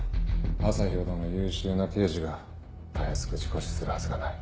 朝陽ほどの優秀な刑事がたやすく事故死するはずがない。